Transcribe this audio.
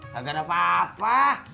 gak ada apa apa